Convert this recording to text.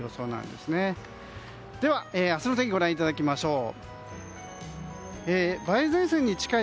では、明日の天気をご覧いただきましょう。